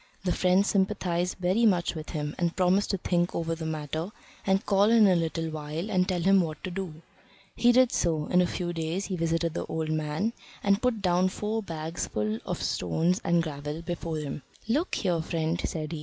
The friend sympathised very much with him, and promised to think over the matter, and call in a little while and tell him what to do. He did so; in a few days he visited the old man and put down four bags full of stones and gravel before him. "Look here, friend," said he.